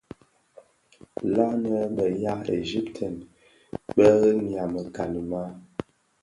La nnë bë ya Egypten bë rëňgya mekani maa?